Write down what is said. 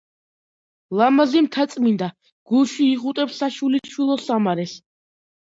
ლამააზი მთაწმინდა გულში იხუტებს საშვილიშვილო სამარეს.